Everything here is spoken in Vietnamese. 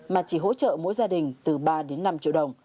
mà chỉ hỗ trợ mỗi gia đình từ ba đến năm triệu đồng